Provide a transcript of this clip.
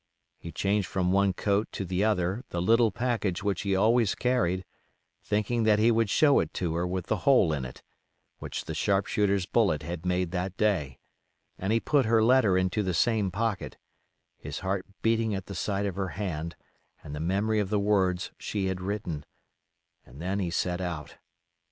He changed from one coat to the other the little package which he always carried, thinking that he would show it to her with the hole in it, which the sharp shooter's bullet had made that day, and he put her letter into the same pocket; his heart beating at the sight of her hand and the memory of the words she had written, and then he set out.